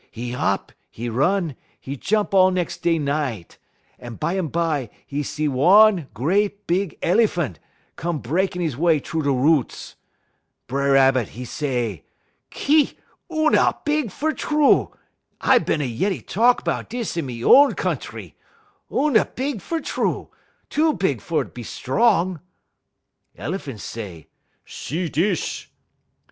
"'E hop, 'e run, 'e jump all nex' day night, un bumbye 'e see one great big el'phan' come breakin' 'e way troo da woots. B'er Rabbit, 'e say: "'Ki! Oona big fer true! I bin a yeddy talk 'bout dis in me y own countree. Oona big fer true; too big fer be strong.' "El'phan' say: 'See dis!'